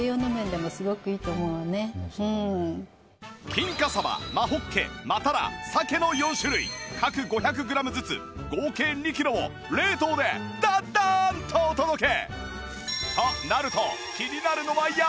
金華さば真ほっけ真たら鮭の４種類各５００グラムずつ合計２キロを冷凍でドドーンとお届け！